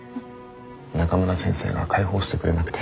中村先生が解放してくれなくて。